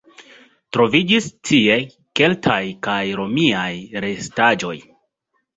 Troviĝis tie keltaj kaj romiaj restaĵoj.